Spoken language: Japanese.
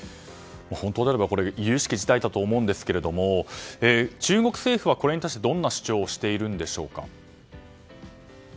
本当であれば、これはゆゆしき事態だと思うんですが中国政府はこれに対してどんな主張をしているんでしょうか。